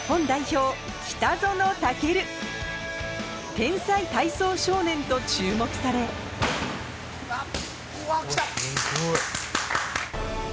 天才体操少年と注目され・来た！